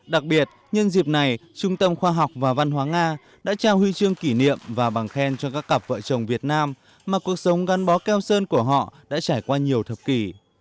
đặc biệt nhân dịp này trung tâm khoa học và văn hóa nga đã trao huy chương kỷ niệm và bằng khen cho các cặp vợ chồng việt nam mà cuộc sống gắn bó keo sơn của họ đã trải qua nhiều thập kỷ